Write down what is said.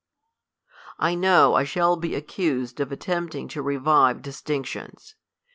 I know I shall be accused of attempting to revive distinctions.